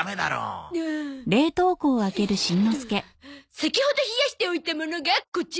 先ほど冷やしておいたものがこちらに！